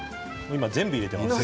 今、全部入れてます。